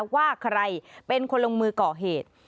ว่าใครเป็นคนลงมือก่อเหตุ